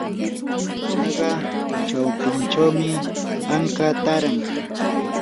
qaqa chawpinchawmi anka taaran.